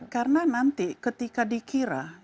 karena nanti ketika dikira